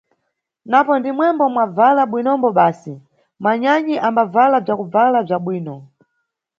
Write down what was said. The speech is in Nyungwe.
Napo ndimwembo mwabvala bwinombo basi, manyanyi ambabvala bzakubvala bza bwino.